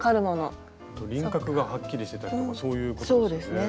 あと輪郭がはっきりしてたりとかそういうことですよね。